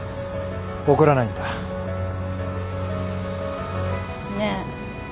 怒らないんだ？ねえ。